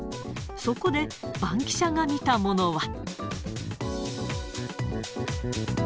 そこでバンキシャが見たものは。